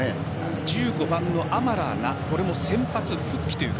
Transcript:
１５番のアマラーがこれも先発復帰という形。